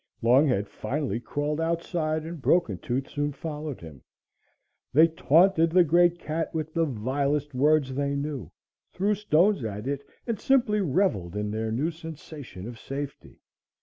Longhead finally crawled outside and Broken Tooth soon followed him. They taunted the great cat with the vilest words they knew; threw stones at it, and simply revelled in their new sensation of safety.